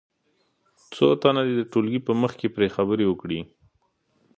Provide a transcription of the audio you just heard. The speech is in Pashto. څو تنه دې د ټولګي په مخ کې پرې خبرې وکړي.